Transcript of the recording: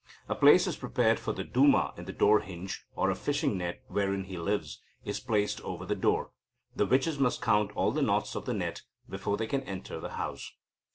A place is prepared for the Duma in the door hinge, or a fishing net, wherein he lives, is placed over the door. The witches must count all the knots of the net, before they can enter the house.